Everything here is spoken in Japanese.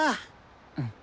うん。